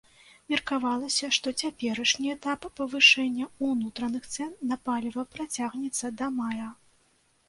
Меркавалася, што цяперашні этап павышэння ўнутраных цэн на паліва працягнецца да мая.